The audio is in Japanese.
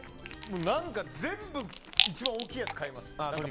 何か全部一番大きいやつ買います。